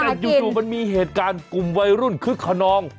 แต่อยู่มันมีเหตุการณ์กลุ่มวัยรุ่นคึกขนอง